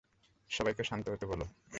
সবাইকে শান্ত হতে বলো।